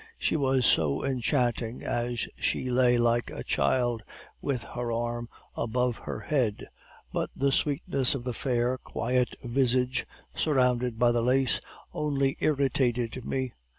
She was so enchanting as she lay like a child, with her arm above her head; but the sweetness of the fair, quiet visage, surrounded by the lace, only irritated me.